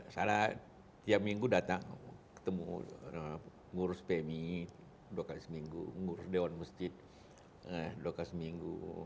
saya tiap minggu datang ketemu ngurus pmi dua kali seminggu ngurus dewan masjid dua kali seminggu